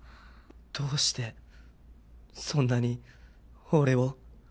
どうしてそんなに俺を？